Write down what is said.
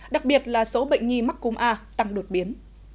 đặc biệt là số bệnh nhi mắc cung a tăng đột biến